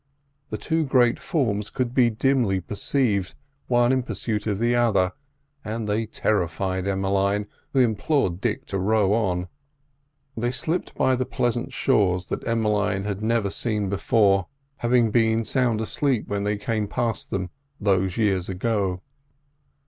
The two great forms could be dimly perceived, one in pursuit of the other, and they terrified Emmeline, who implored Dick to row on. They slipped by the pleasant shores that Emmeline had never seen before, having been sound asleep when they came past them those years ago.